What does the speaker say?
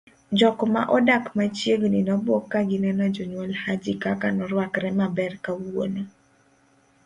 jok ma odak machiegni nobuok kagineno jonyuol Haji kaka noruakre maber kawuono